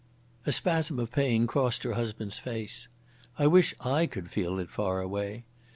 A spasm of pain crossed her husband's face. "I wish I could feel it far away.